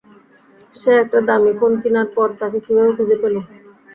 সে একটা দামী ফোন কিনার পর তাকে কীভাবে খুঁজে পেল?